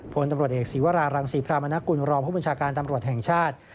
พลตำรวจเอกศีวรารังศรีพรามนกุลรองผู้บัญชาการตำรวจแห่งชาติ